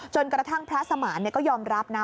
กระทั่งพระสมานก็ยอมรับนะ